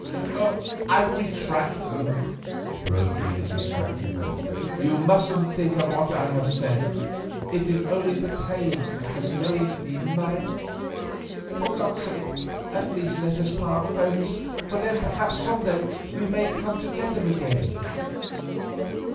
"I retract them," broke in the distracted man. "You mustn't think anything of what I said; it is only the pain that has made me mad. For God's sake, at least let us part friends, for then, perhaps, some day we may come together again."